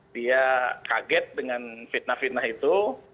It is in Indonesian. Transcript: dia kaget dengan fitnah fitnah itu